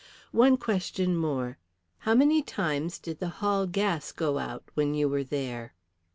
"One question more. How many times did the hall gas go out when you were there?"